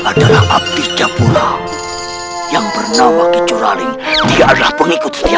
adalah abdi japulau yang bernama kicuraling dia adalah pengikut usia